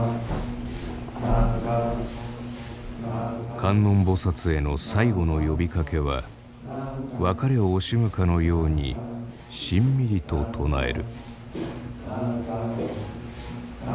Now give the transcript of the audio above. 観音菩への最後の呼びかけは別れを惜しむかのようにしんみりと唱える。